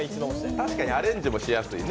確かにアレンジもしやすいよね。